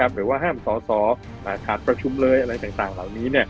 หรือว่าห้ามสอสอขาดประชุมเลยอะไรต่างเหล่านี้